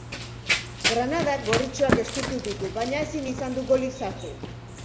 Granadak gorritxoak estutu ditu, baina ezin izan du golik sartu.